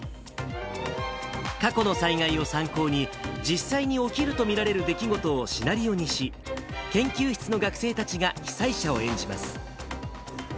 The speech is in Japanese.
過去の災害を参考に、実際に起きると見られる出来事をシナリオにし、研究室の学生たちが被災者を演じます。